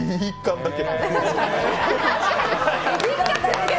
い１貫だけ！？